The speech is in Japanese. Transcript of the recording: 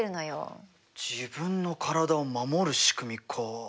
自分の体を守る仕組みか。